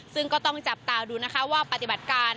ซึ่งก็ต้องจับตาดูนะคะว่าปฏิบัติการ